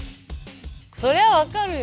そりゃ分かるよ。